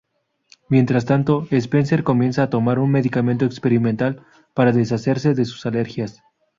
Mientras tanto, Spencer comienza a tomar un medicamento experimental para deshacerse de sus alergias.